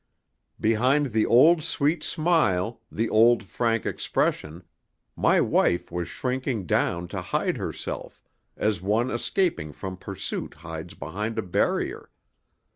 Behind the old sweet smile, the old frank expression, my wife was shrinking down to hide herself, as one escaping from pursuit hides behind a barrier.